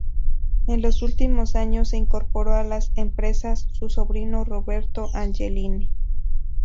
En los últimos años se incorporó a las empresas su sobrino Roberto Angelini.